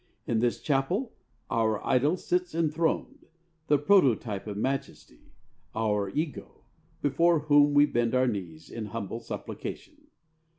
In this chapel our idol sits enthroned, the prototype of majesty, "our ego," before whom we bend our knees in humble supplication.